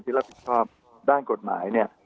ที่รับผิดชอบด้านกฎหมาย